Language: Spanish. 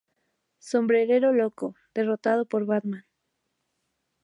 Sombrerero Loco: Derrotado por Batman.